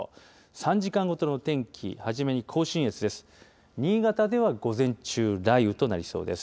３時間ごとの天気、初めに甲信越です。